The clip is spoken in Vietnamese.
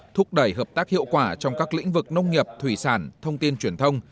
thúc đẩy hợp tác hiệu quả trong các lĩnh vực nông nghiệp thủy sản thông tin truyền thông